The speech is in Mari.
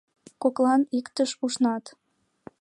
Коклан иктыш ушнат.